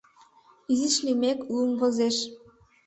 Изиш лиймек, лум возеш.